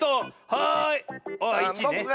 はい！